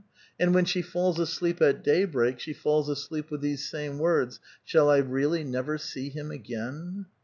And when she falls asleep at daybreak she falls asleep with these same words, *' Shall I really never see him again?"